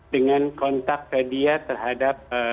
dengan kontak ke dia terhadap